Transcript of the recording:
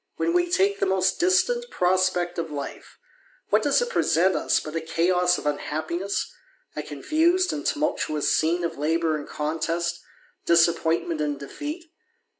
When we take the most distant prospect of life, what does it present us but a chaos of unhappiness, a confused and tumultuous scene of labour and contest, disappointment and defeat?